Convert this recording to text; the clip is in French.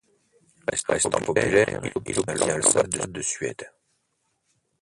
Restant populaire, il obtient l’ambassade de Suède.